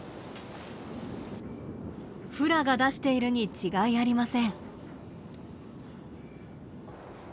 フラが出しているに違いありません。